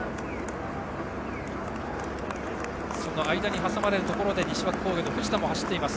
その間に挟まれるところで西脇工業の藤田も走っています。